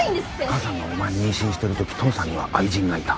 母さんがお前を妊娠してる時父さんには愛人がいた。